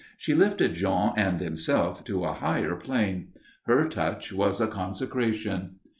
She lifted Jean and himself to a higher plane. Her touch was a consecration.